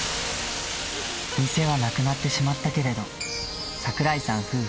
店はなくなってしまったけれど、桜井さん夫婦